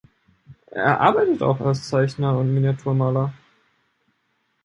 Er arbeitet auch als Zeichner und Miniaturmaler.